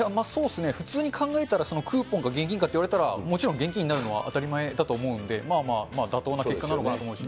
ー普通に考えたらクーポンか現金かって言われたら、もちろん、現金になるのは当たり前だと思うんで、まあまあ、妥当な結果なのかなと思います。